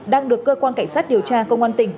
đang được cơ quan cảnh sát điều tra công an tỉnh